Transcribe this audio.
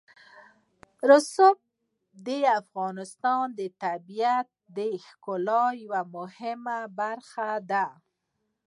رسوب د افغانستان د طبیعت د ښکلا یوه مهمه برخه ده.